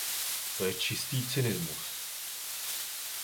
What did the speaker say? To je čistý cynismus.